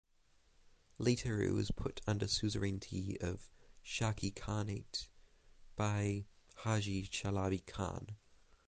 Later it was later put under suzerainty of Shaki Khanate by Haji Chalabi Khan.